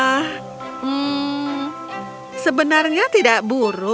hmm sebenarnya tidak buruk